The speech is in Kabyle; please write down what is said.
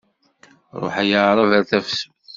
Ruḥ ay aɛrab ar tafsut!